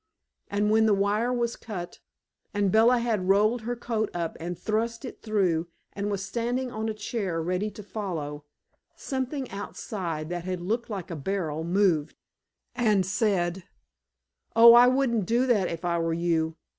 And when the wire was cut, and Bella had rolled her coat up and thrust it through and was standing on a chair ready to follow, something outside that had looked like a barrel moved, and said, "Oh, I wouldn't do that if I were you.